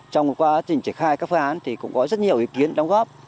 trong quá trình triển khai các phương án thì cũng có rất nhiều ý kiến đóng góp